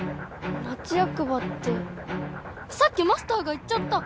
町やく場ってさっきマスターが行っちゃった！